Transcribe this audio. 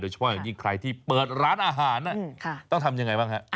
เฉพาะอย่างยิ่งใครที่เปิดร้านอาหารต้องทำยังไงบ้างฮะ